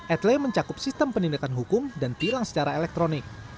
etle mencakup sistem penindakan hukum dan tilang secara elektronik